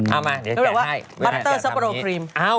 เอามาเดี๋ยวแกะให้